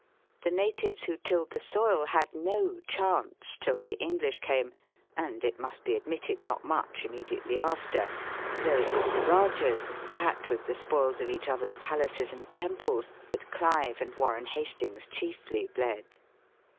The natives who tilled the soil had no chance till the EngUsh came, and it must be admitted not much immedi ately after, though it was the rajahs, fat with the spoils of each other's palaces and temples, that Olive and Warren Hastings chiefly bled.